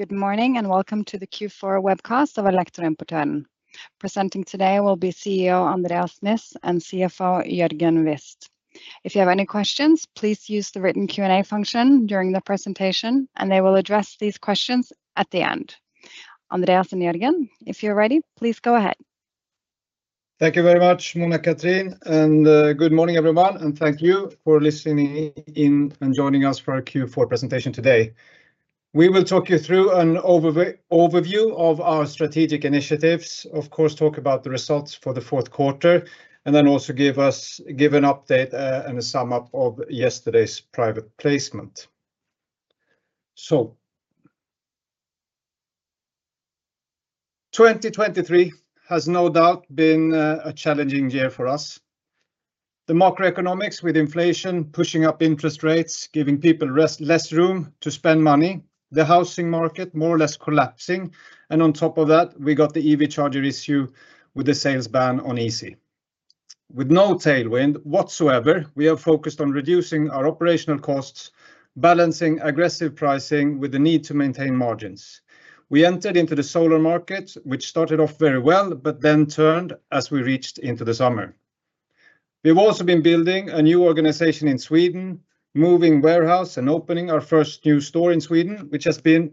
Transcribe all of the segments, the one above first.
Good morning and welcome to the Q4 webcast of Elektroimportøren. Presenting today will be CEO Andreas Niss and CFO Jørgen Wist. If you have any questions, please use the written Q&A function during the presentation, and they will address these questions at the end. Andreas and Jørgen, if you're ready, please go ahead. Thank you very much, Mona Katrin, and good morning everyone, and thank you for listening in and joining us for our Q4 presentation today. We will talk you through an overview of our strategic initiatives, of course talk about the results for the fourth quarter, and then also give an update and a sum up of yesterday's private placement. So 2023 has no doubt been a challenging year for us. The macroeconomics with inflation pushing up interest rates, giving people less room to spend money, the housing market more or less collapsing, and on top of that we got the EV charger issue with the sales ban on Easee. With no tailwind whatsoever, we have focused on reducing our operational costs, balancing aggressive pricing with the need to maintain margins. We entered into the solar market which started off very well but then turned as we reached into the summer. We've also been building a new organization in Sweden, moving warehouse and opening our first new store in Sweden which has been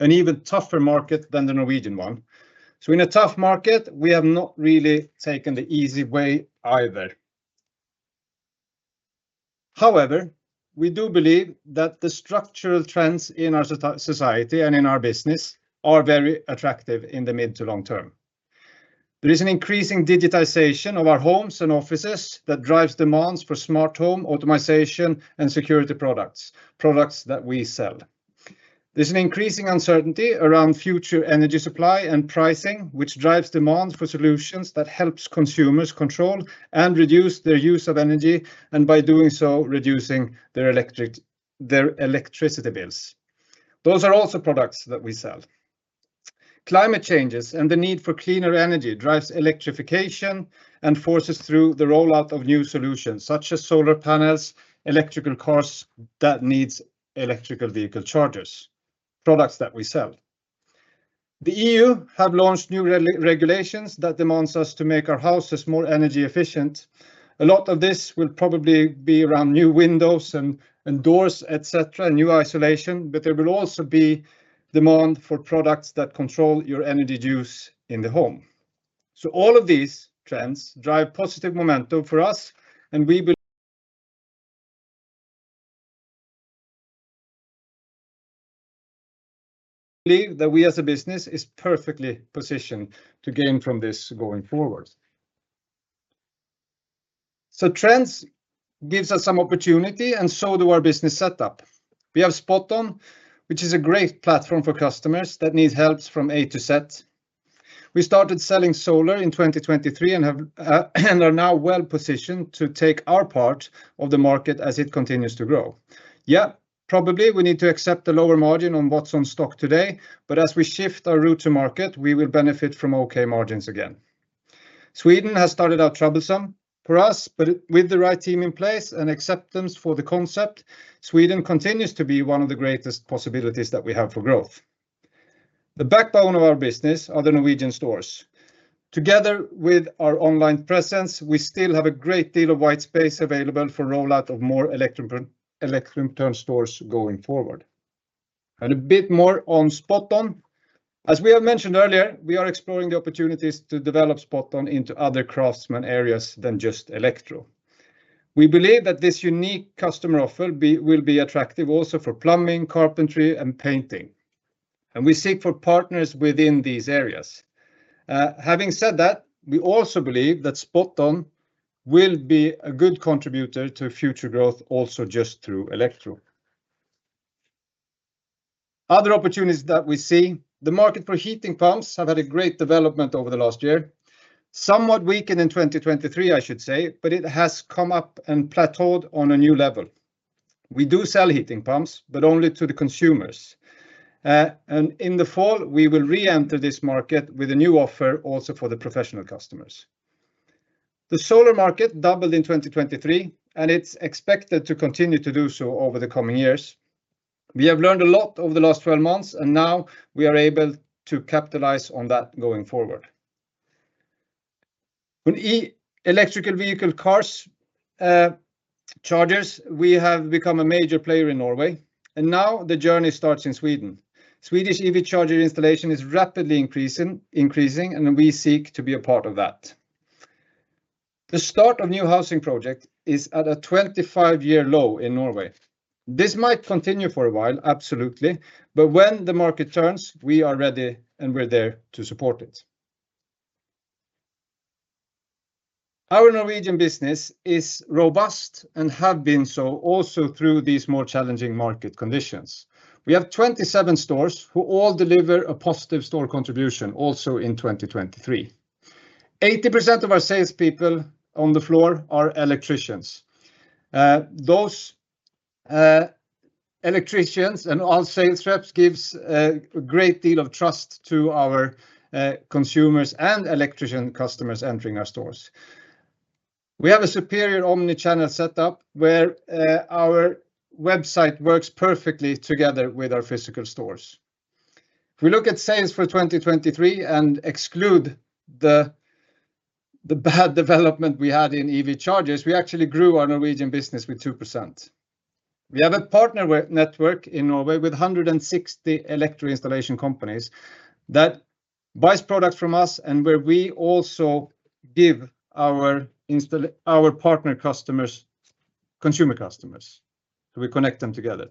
an even tougher market than the Norwegian one. So in a tough market we have not really taken the easy way either. However, we do believe that the structural trends in our society and in our business are very attractive in the mid- to long-term. There is an increasing digitization of our homes and offices that drives demands for smart home automation and security products, products that we sell. There's an increasing uncertainty around future energy supply and pricing which drives demands for solutions that helps consumers control and reduce their use of energy and, by doing so, reducing their electricity bills. Those are also products that we sell. Climate changes and the need for cleaner energy drives electrification and forces through the rollout of new solutions such as solar panels, electrical cars that needs electrical vehicle chargers, products that we sell. The EU have launched new regulations that demands us to make our houses more energy efficient. A lot of this will probably be around new windows and doors, etc., and new insulation, but there will also be demand for products that control your energy use in the home. So all of these trends drive positive momentum for us and we believe that we as a business is perfectly positioned to gain from this going forward. So trends gives us some opportunity and so do our business setup. We have SpotOn which is a great platform for customers that need helps from A to Z. We started selling solar in 2023 and are now well positioned to take our part of the market as it continues to grow. Yeah, probably we need to accept a lower margin on what's on stock today, but as we shift our route to market we will benefit from okay margins again. Sweden has started out troublesome for us, but with the right team in place and acceptance for the concept, Sweden continues to be one of the greatest possibilities that we have for growth. The backbone of our business are the Norwegian stores. Together with our online presence, we still have a great deal of white space available for rollout of more electric stores going forward. A bit more on SpotOn. As we have mentioned earlier, we are exploring the opportunities to develop SpotOn into other craftsman areas than just electro. We believe that this unique customer offer will be attractive also for plumbing, carpentry, and painting, and we seek for partners within these areas. Having said that, we also believe that SpotOn will be a good contributor to future growth also just through electro. Other opportunities that we see: the market for heat pumps have had a great development over the last year. Somewhat weakened in 2023, I should say, but it has come up and plateaued on a new level. We do sell heat pumps, but only to the consumers. In the fall, we will re-enter this market with a new offer also for the professional customers. The solar market doubled in 2023, and it's expected to continue to do so over the coming years. We have learned a lot over the last 12 months, and now we are able to capitalize on that going forward. Electric vehicle car chargers, we have become a major player in Norway, and now the journey starts in Sweden. Swedish EV charger installation is rapidly increasing, and we seek to be a part of that. The start of new housing projects is at a 25-year low in Norway. This might continue for a while, absolutely, but when the market turns, we are ready and we're there to support it. Our Norwegian business is robust and has been so also through these more challenging market conditions. We have 27 stores who all deliver a positive store contribution also in 2023. 80% of our salespeople on the floor are electricians. Those electricians and all sales reps give a great deal of trust to our consumers and electrician customers entering our stores. We have a superior omnichannel setup where our website works perfectly together with our physical stores. If we look at sales for 2023 and exclude the bad development we had in EV chargers, we actually grew our Norwegian business with 2%. We have a partner network in Norway with 160 electric installation companies that buy products from us and where we also give our partner consumer customers. We connect them together.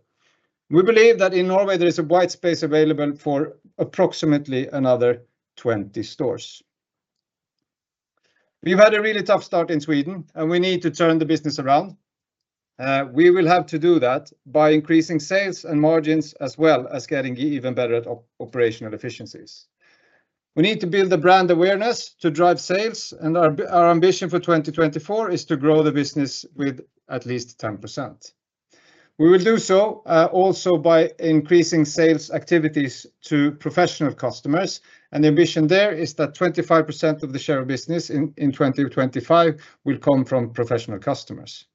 We believe that in Norway there is a white space available for approximately another 20 stores. We've had a really tough start in Sweden, and we need to turn the business around. We will have to do that by increasing sales and margins as well as getting even better at operational efficiencies. We need to build a brand awareness to drive sales, and our ambition for 2024 is to grow the business with at least 10%. We will do so also by increasing sales activities to professional customers, and the ambition there is that 25% of the share of business in 2025 will come from professional customers.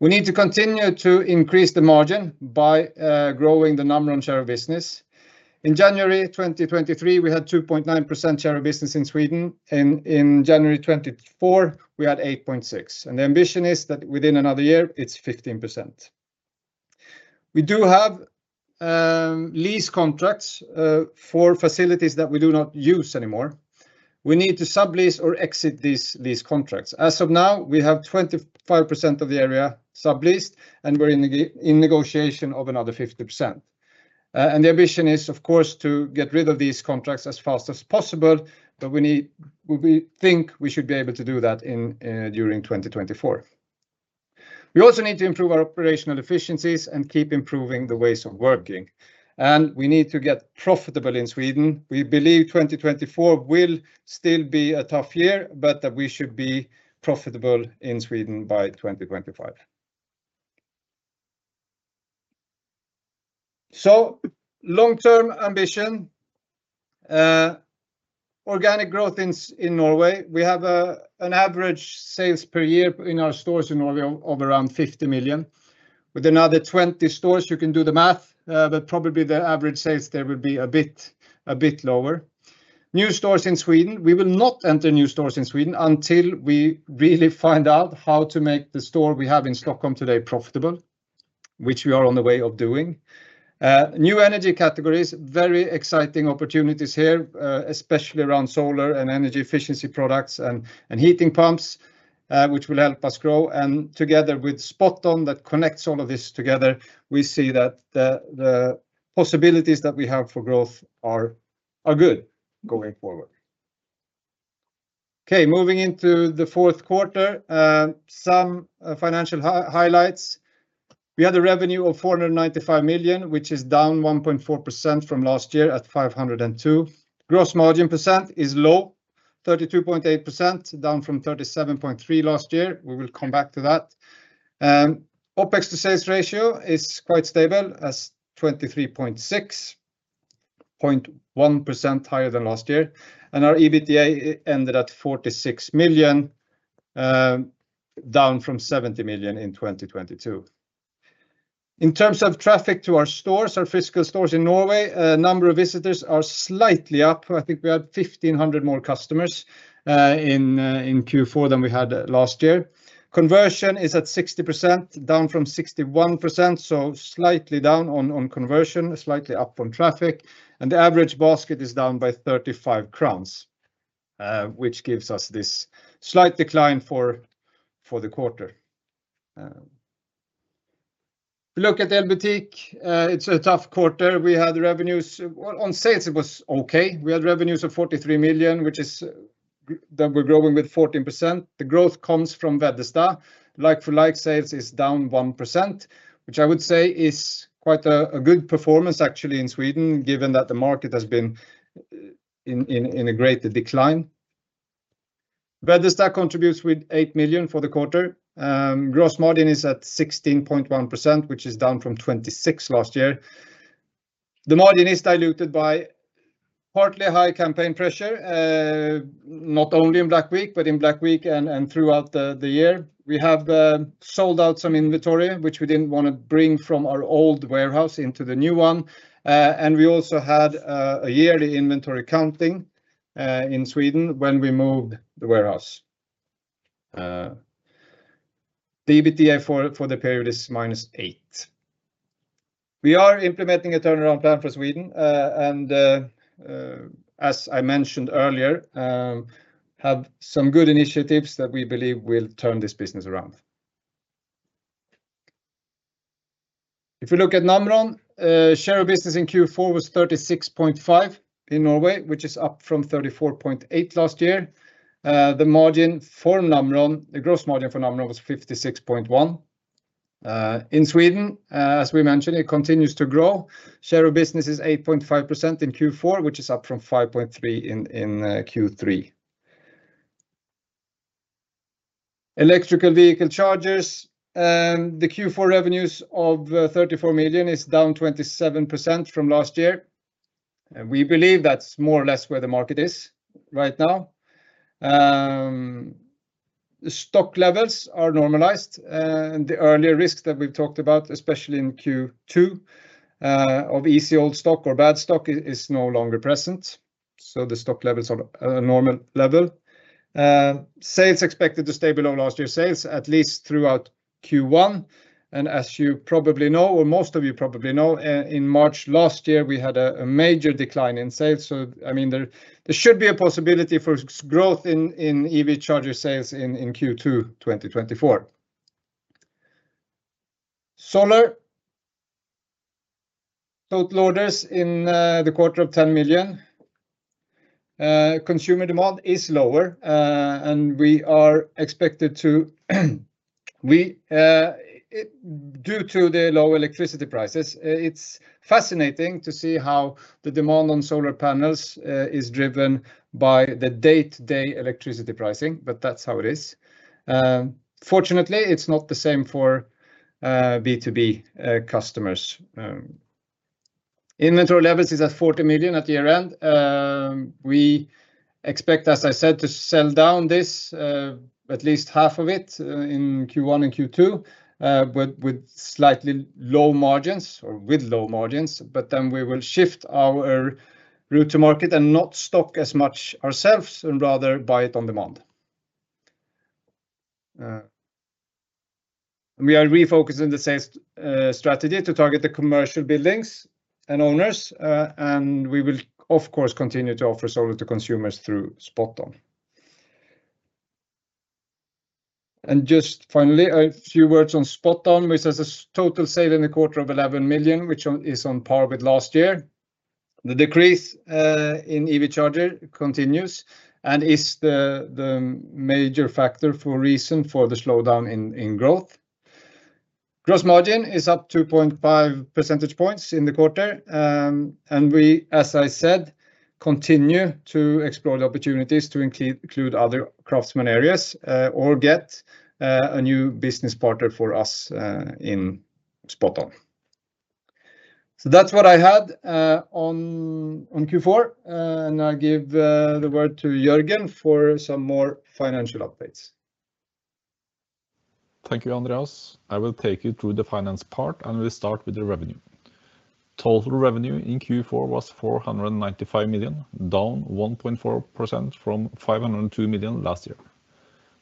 We need to continue to increase the margin by growing the number on share of business. In January 2023, we had 2.9% share of business in Sweden, and in January 2024, we had 8.6%, and the ambition is that within another year it's 15%. We do have lease contracts for facilities that we do not use anymore. We need to sublease or exit these lease contracts. As of now, we have 25% of the area subleased, and we're in negotiation of another 50%. And the ambition is, of course, to get rid of these contracts as fast as possible, but we think we should be able to do that during 2024. We also need to improve our operational efficiencies and keep improving the ways of working, and we need to get profitable in Sweden. We believe 2024 will still be a tough year, but that we should be profitable in Sweden by 2025. So long-term ambition: organic growth in Norway. We have an average sales per year in our stores in Norway of around 50 million. With another 20 stores, you can do the math, but probably the average sales there will be a bit lower. New stores in Sweden. We will not enter new stores in Sweden until we really find out how to make the store we have in Stockholm today profitable, which we are on the way of doing. New energy categories: very exciting opportunities here, especially around solar and energy efficiency products and heating pumps which will help us grow. Together with SpotOn that connects all of this together, we see that the possibilities that we have for growth are good going forward. Okay, moving into the fourth quarter, some financial highlights. We had a revenue of 495 million, which is down 1.4% from last year at 502 million. Gross margin percent is low, 32.8%, down from 37.3% last year. We will come back to that. OpEx to sales ratio is quite stable at 23.6%, 0.1% higher than last year, and our EBITDA ended at 46 million, down from 70 million in 2022. In terms of traffic to our stores, our physical stores in Norway, a number of visitors are slightly up. I think we had 1,500 more customers in Q4 than we had last year. Conversion is at 60%, down from 61%, so slightly down on conversion, slightly up on traffic, and the average basket is down by 35 crowns, which gives us this slight decline for the quarter. If we look at Elbutik, it's a tough quarter. On sales, it was okay. We had revenues of 43 million NOK, which is that we're growing with 14%. The growth comes from Veddesta. Like-for-like sales is down 1%, which I would say is quite a good performance, actually, in Sweden given that the market has been in a greater decline. Veddesta contributes with 8 million NOK for the quarter. Gross margin is at 16.1%, which is down from 26% last year. The margin is diluted by partly high campaign pressure, not only in Black Week, but in Black Week and throughout the year. We have sold out some inventory, which we didn't want to bring from our old warehouse into the new one, and we also had a yearly inventory counting in Sweden when we moved the warehouse. The EBITDA for the period is -8%. We are implementing a turnaround plan for Sweden, and as I mentioned earlier, have some good initiatives that we believe will turn this business around. If we look at Namron, share of business in Q4 was 36.5% in Norway, which is up from 34.8% last year. The margin for Namron, the gross margin for Namron was 56.1%. In Sweden, as we mentioned, it continues to grow. Share of business is 8.5% in Q4, which is up from 5.3% in Q3. Electric vehicle chargers: the Q4 revenues of 34 million is down 27% from last year. We believe that's more or less where the market is right now. Stock levels are normalized, and the earlier risks that we've talked about, especially in Q2 of Easee old stock or bad stock, is no longer present, so the stock levels are at a normal level. Sales expected to stay below last year's sales, at least throughout Q1, and as you probably know, or most of you probably know, in March last year we had a major decline in sales. So, I mean, there should be a possibility for growth in EV charger sales in Q2 2024. Solar total orders in the quarter of 10 million. Consumer demand is lower, and we are expected to, due to the low electricity prices, it's fascinating to see how the demand on solar panels is driven by the day-to-day electricity pricing, but that's how it is. Fortunately, it's not the same for B2B customers. Inventory levels is at 40 million at year-end. We expect, as I said, to sell down this, at least half of it, in Q1 and Q2, with slightly low margins or with low margins, but then we will shift our route to market and not stock as much ourselves and rather buy it on demand. We are refocusing the sales strategy to target the commercial buildings and owners, and we will, of course, continue to offer solar to consumers through SpotOn. Just finally, a few words on SpotOn, which has a total sale in the quarter of 11 million, which is on par with last year. The decrease in EV charger continues and is the major factor for reason for the slowdown in growth. Gross margin is up 2.5 percentage points in the quarter, and we, as I said, continue to explore the opportunities to include other craftsman areas or get a new business partner for us in SpotOn. So that's what I had on Q4, and I'll give the word to Jørgen for some more financial updates. Thank you, Andreas. I will take you through the finance part, and we'll start with the revenue. Total revenue in Q4 was 495 million, down 1.4% from 502 million last year.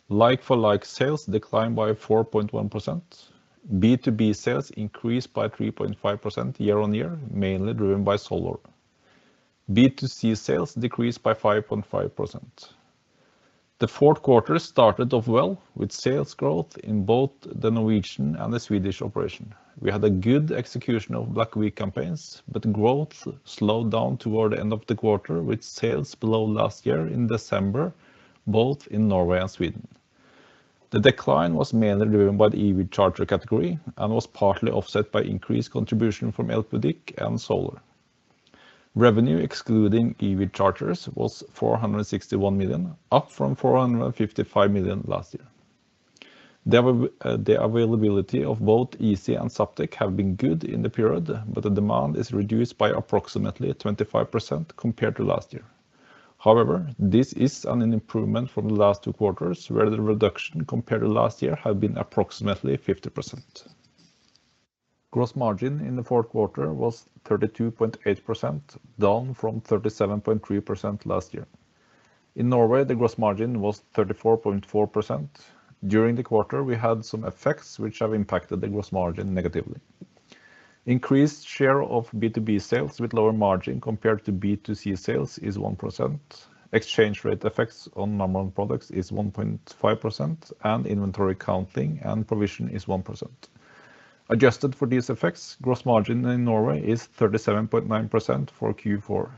Like-for-like sales decline by 4.1%. B2B sales increase by 3.5% year-on-year, mainly driven by solar. B2C sales decrease by 5.5%. The fourth quarter started off well with sales growth in both the Norwegian and the Swedish operation. We had a good execution of Black Week campaigns, but growth slowed down toward the end of the quarter with sales below last year in December, both in Norway and Sweden. The decline was mainly driven by the EV charger category and was partly offset by increased contribution from Elbutik and solar. Revenue excluding EV chargers was 461 million, up from 455 million last year. The availability of both Easee and Zaptec has been good in the period, but the demand is reduced by approximately 25% compared to last year. However, this is an improvement from the last two quarters where the reduction compared to last year has been approximately 50%. Gross margin in the fourth quarter was 32.8%, down from 37.3% last year. In Norway, the gross margin was 34.4%. During the quarter, we had some effects which have impacted the gross margin negatively. Increased share of B2B sales with lower margin compared to B2C sales is 1%. Exchange rate effects on Namron products are 1.5%, and inventory counting and provision is 1%. Adjusted for these effects, gross margin in Norway is 37.9% for Q4.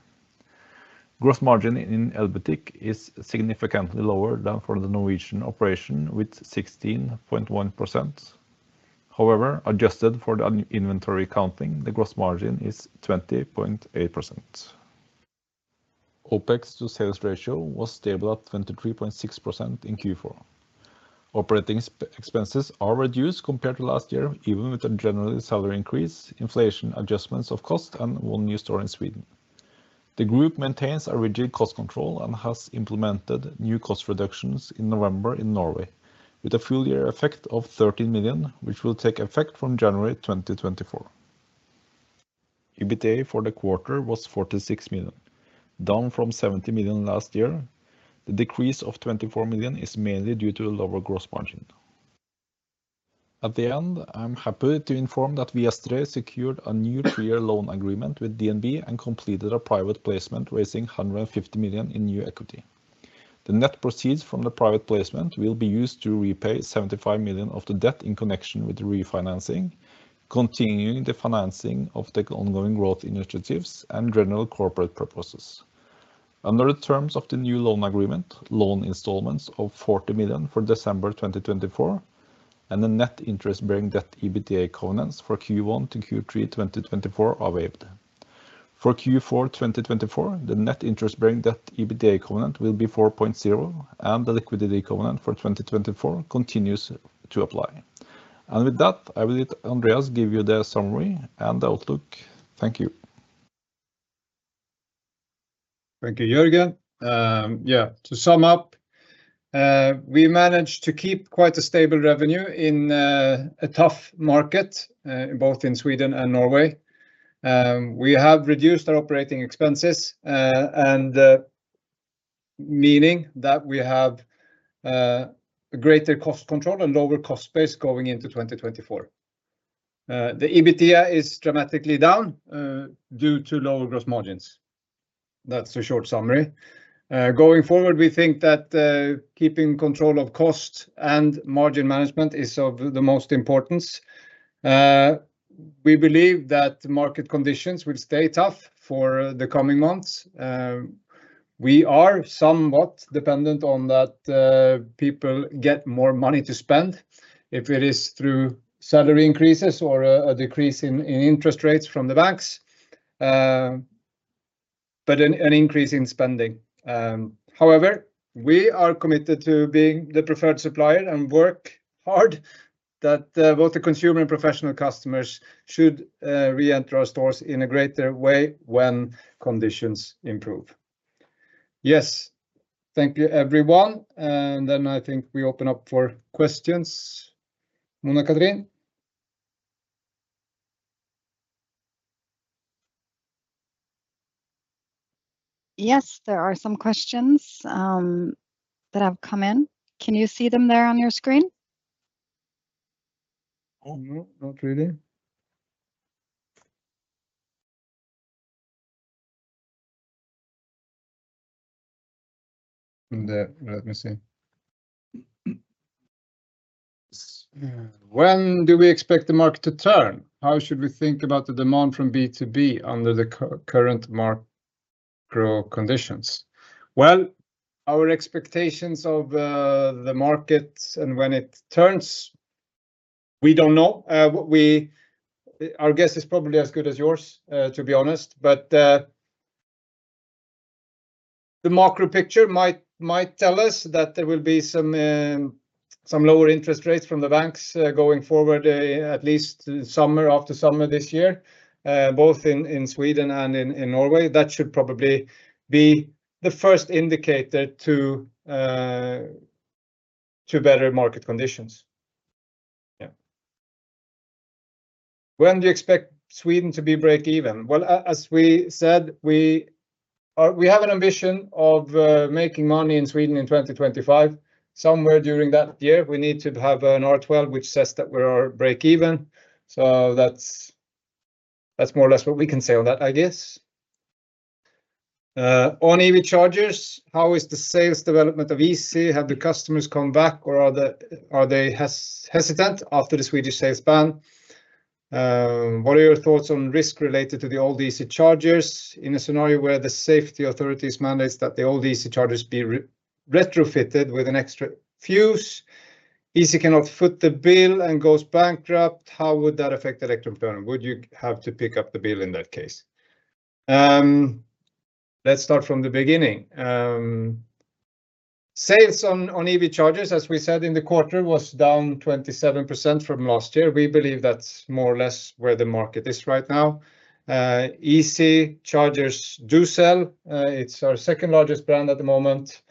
Gross margin in Elbutik is significantly lower than for the Norwegian operation with 16.1%. However, adjusted for the inventory counting, the gross margin is 20.8%. OpEx to sales ratio was stable at 23.6% in Q4. Operating expenses are reduced compared to last year, even with a general salary increase, inflation adjustments of cost, and one new store in Sweden. The group maintains a rigid cost control and has implemented new cost reductions in November in Norway with a full-year effect of 13 million, which will take effect from January 2024. EBITDA for the quarter was 46 million, down from 70 million last year. The decrease of 24 million is mainly due to a lower gross margin. In the end, I'm happy to inform that we yesterday secured a new three-year loan agreement with DNB and completed a private placement raising 150 million in new equity. The net proceeds from the private placement will be used to repay 75 million of the debt in connection with refinancing, continuing the financing of the ongoing growth initiatives and general corporate purposes. Under the terms of the new loan agreement, loan installments of 40 million for December 2024 and the net interest-bearing debt EBITDA equivalents for Q1 to Q3 2024 are waived. For Q4 2024, the net interest-bearing debt EBITDA equivalent will be 4.0%, and the liquidity equivalent for 2024 continues to apply. With that, I will let Andreas give you the summary and the outlook. Thank you. Thank you, Jørgen. Yeah, to sum up, we managed to keep quite a stable revenue in a tough market, both in Sweden and Norway. We have reduced our operating expenses, meaning that we have greater cost control and lower cost base going into 2024. The EBITDA is dramatically down due to lower gross margins. That's a short summary. Going forward, we think that keeping control of cost and margin management is of the most importance. We believe that market conditions will stay tough for the coming months. We are somewhat dependent on that people get more money to spend if it is through salary increases or a decrease in interest rates from the banks, but an increase in spending. However, we are committed to being the preferred supplier and work hard that both the consumer and professional customers should reenter our stores in a greater way when conditions improve. Yes, thank you, everyone. And then I think we open up for questions. Mona Katrin? Yes, there are some questions that have come in. Can you see them there on your screen? Oh, no, not really. Let me see. When do we expect the market to turn? How should we think about the demand from B2B under the current macro conditions? Well, our expectations of the market and when it turns, we don't know. Our guess is probably as good as yours, to be honest, but the macro picture might tell us that there will be some lower interest rates from the banks going forward, at least summer after summer this year, both in Sweden and in Norway. That should probably be the first indicator to better market conditions. Yeah. When do you expect Sweden to be break-even? Well, as we said, we have an ambition of making money in Sweden in 2025. Somewhere during that year, we need to have an R12 which says that we are break-even. So that's more or less what we can say on that, I guess. On EV chargers, how is the sales development of Easee? Have the customers come back, or are they hesitant after the Swedish sales ban? What are your thoughts on risk related to the old Easee chargers in a scenario where the safety authorities mandate that the old Easee chargers be retrofitted with an extra fuse? Easee cannot foot the bill and goes bankrupt. How would that affect Elektroimportøren? Would you have to pick up the bill in that case? Let's start from the beginning. Sales on EV chargers, as we said in the quarter, was down 27% from last year. We believe that's more or less where the market is right now. Easee chargers do sell. It's our second largest brand at the moment.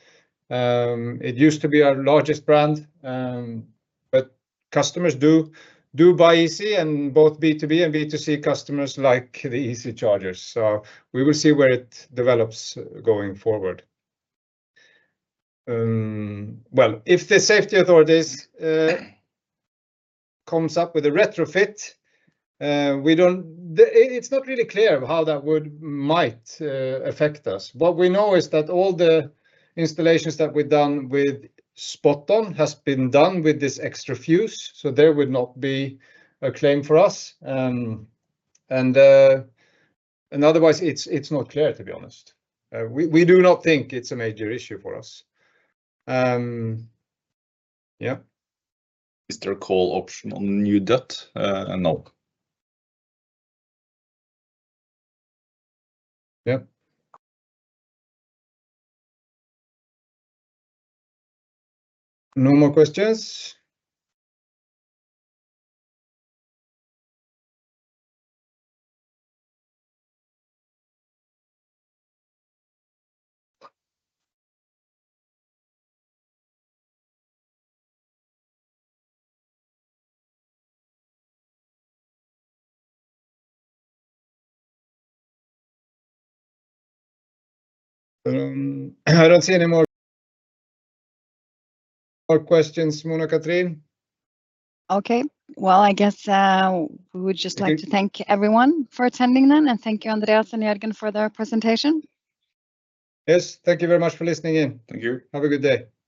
It used to be our largest brand, but customers do buy Easee, and both B2B and B2C customers like the Easee chargers. So we will see where it develops going forward. Well, if the safety authorities come up with a retrofit, it's not really clear how that might affect us. What we know is that all the installations that we've done with SpotOn have been done with this extra fuse, so there would not be a claim for us. And otherwise, it's not clear, to be honest. We do not think it's a major issue for us. Yeah. Is there a call option on new debt in NOK? Yeah. No more questions? I don't see any more questions, Mona Katrin. Okay. Well, I guess we would just like to thank everyone for attending then, and thank you, Andreas and Jørgen, for their presentation. Yes. Thank you very much for listening in. Thank you. Have a good day.